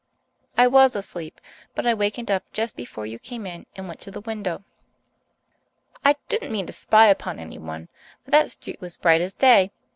I was asleep, but I wakened up just before you came in and went to the window. I didn't mean to spy upon anyone but that street was bright as day!